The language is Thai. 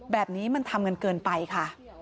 แบบนี้มันทำกันเกินไปค่ะ